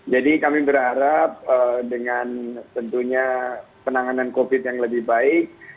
jadi kami berharap dengan tentunya penanganan covid yang lebih baik